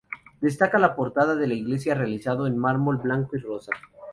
Destaca la portalada de la iglesia realizado en mármol blanco y rosa.